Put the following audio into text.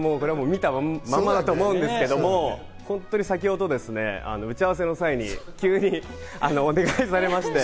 見たまんまだと思うんですけど、先ほど打ち合わせの際に急にお願いされまして。